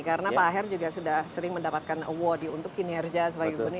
karena pak aher juga sudah sering mendapatkan award untuk kinerja sebagai gubernur